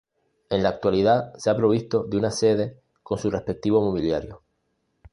En la actualidad se ha provisto de una sede con su respectivo mobiliario.